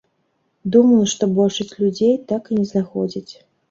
Думаю, што большасць людзей так і не знаходзяць.